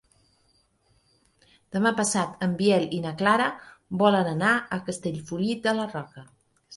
Demà passat en Biel i na Clara volen anar a Castellfollit de la Roca.